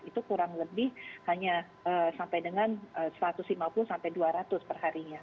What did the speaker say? itu kurang lebih hanya sampai dengan satu ratus lima puluh sampai dua ratus perharinya